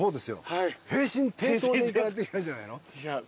平身低頭で行かないといけないんじゃないの？